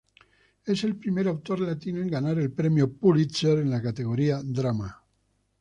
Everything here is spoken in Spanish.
Es el primer autor latino en ganar el Premio Pulitzer en la categoría drama.